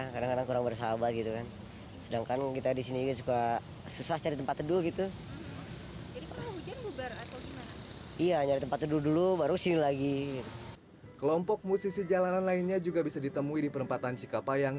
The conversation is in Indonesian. kelompok bersahabat kelompok musisi jalanan lainnya juga bisa ditemui di perempatan cikapayang